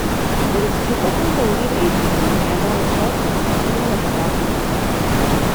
It is typically the lead agency handling shelter and feeding of evacuees.